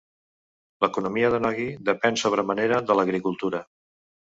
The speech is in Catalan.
L'economia de Nogi depèn sobre manera de l'agricultura.